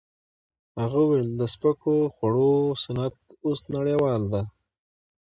هغه وویل د سپکو خوړو صنعت اوس نړیوال دی.